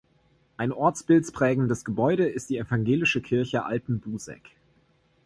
Ein ortsbildprägendes Gebäude ist die Evangelische Kirche Alten-Buseck.